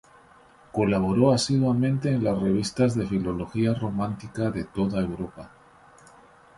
Colaboró asiduamente en las revistas de filología románica de toda Europa.